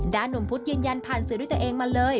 หนุ่มพุธยืนยันผ่านสื่อด้วยตัวเองมาเลย